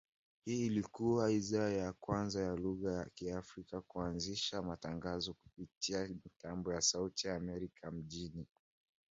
Hii ilikua idhaa ya kwanza ya lugha ya Kiafrika kuanzisha matangazo kupitia mitambo ya Sauti ya Amerika mjini.